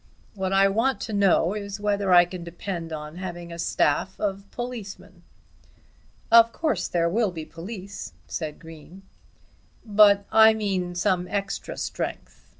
What I want to know is whether I can depend on having a staff of policemen." "Of course there will be police," said Green. "But I mean some extra strength.